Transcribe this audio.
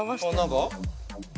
何か？